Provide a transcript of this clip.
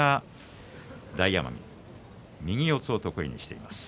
大奄美右四つを得意にしています。